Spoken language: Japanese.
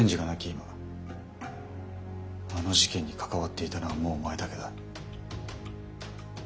今あの事件に関わっていたのはもうお前だけだ。